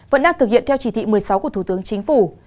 vẫn đang thực hiện theo chỉ thị một mươi sáu của thủ tướng chính phủ